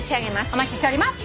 お待ちしております。